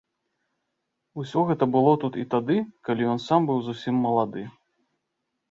Усё гэта было тут і тады, калі ён сам быў зусім малады.